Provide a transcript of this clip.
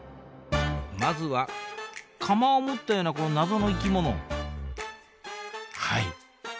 まずは鎌を持ったようなこの謎の生き物はい。